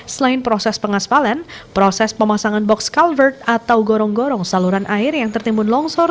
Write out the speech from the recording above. selain proses pengaspalan proses pemasangan box culvert atau gorong gorong saluran air yang tertimbun longsor